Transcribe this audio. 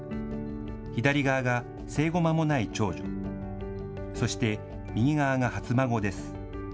左側が生後まもない長女、そして、右側が初孫です。